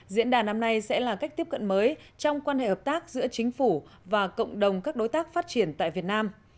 diễn đàn năm nay sẽ là cách tiếp cận mới trong quan hệ hợp tác giữa chính phủ và cộng đồng các đối tác phát triển tại việt nam